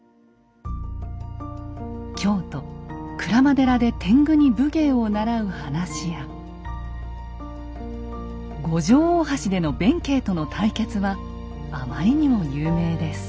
京都・鞍馬寺で天狗に武芸を習う話や五条大橋での弁慶との対決はあまりにも有名です。